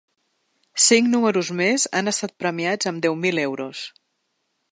Cinc números més han estat premiats amb deu mil euros.